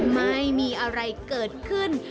ไม่มีอะไรเกิดขึ้น